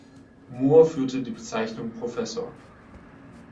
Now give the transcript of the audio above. Mohr führte die Bezeichnung Professor.